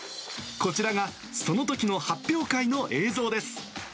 こちらがそのときの発表会の映像です。